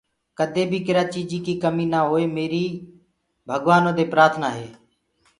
ڪَدي بي ڪرآ چيجي ڪي ڪمي نآ هوئ ميري ڀگَوآنو دي پرآٿنآ هي